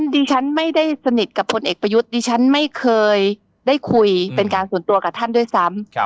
ดิฉันไม่ได้สนิทกับพลเอกประยุทธ์ดิฉันไม่เคยได้คุยเป็นการส่วนตัวกับท่านด้วยซ้ำ